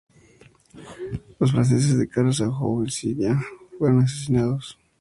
Los franceses de Carlos de Anjou en Sicilia fueron asesinados.